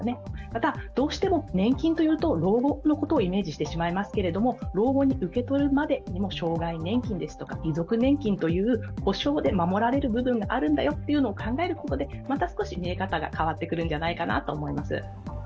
また、どうしても年金というと老後のことをイメージしてしまいますけれども老後に受け取るまでの障害年金ですとか遺族年金という保障で守られる部分があるんだよと考えることで、また少し見え方が変わってくるんじゃないかなと思います。